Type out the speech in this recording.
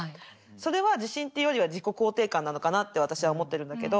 それは自信というよりは自己肯定感なのかなって私は思ってるんだけど。